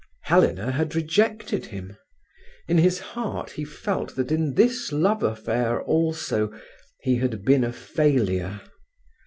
Helena had rejected him. In his heart he felt that in this love affair also he had been a failure.